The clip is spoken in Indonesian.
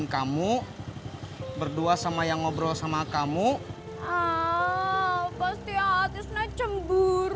kamu berdua sa may fighter ch